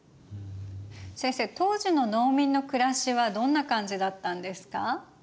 先生当時の農民の暮らしはどんな感じだったんですか？